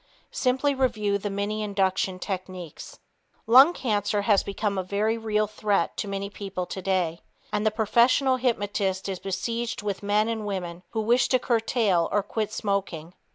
Simply review the many induction techniques. Lung cancer has become a very real threat to many people today, and the professional hypnotist is besieged with men and women who wish to curtail or quit smoking.